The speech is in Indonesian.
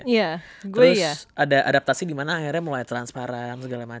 terus ada adaptasi dimana akhirnya mulai transparan segala macem gitu